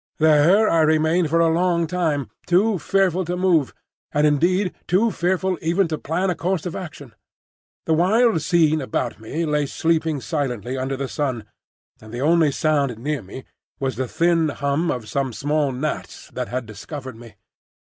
There I remained for a long time, too fearful to move, and indeed too fearful even to plan a course of action. The wild scene about me lay sleeping silently under the sun, and the only sound near me was the thin hum of some small gnats that had discovered me.